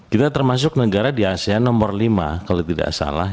kita termasuk negara di asean nomor lima kalau tidak salah